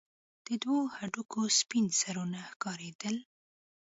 د دوو هډوکو سپين سرونه ښكارېدل.